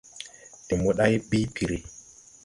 De mboday bii piri.